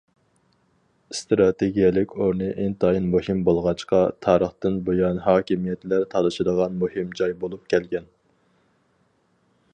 ئىستراتېگىيەلىك ئورنى ئىنتايىن مۇھىم بولغاچقا، تارىختىن بۇيان ھاكىمىيەتلەر تالىشىدىغان مۇھىم جاي بولۇپ كەلگەن.